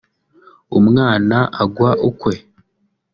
umwana agwa ukwe